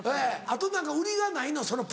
あと何か売りがないの？